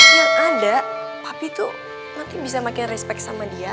yang ada tapi tuh makin bisa makin respect sama dia